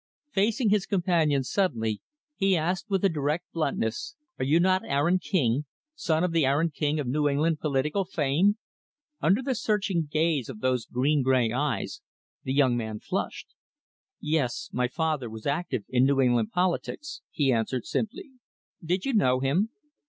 Facing his companion suddenly, he asked with a direct bluntness, "Are you not Aaron King son of the Aaron King of New England political fame?" Under the searching gaze of those green gray eyes, the young man flushed. "Yes; my father was active in New England politics," he answered simply. "Did you know him?"